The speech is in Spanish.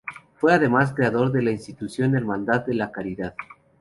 Fue además creador de la institución Hermandad de la Caridad.